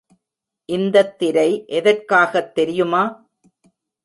இந்தத் திரை எதற்காகத் தெரியுமா?